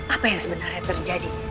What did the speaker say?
apa yang sebenarnya ternyata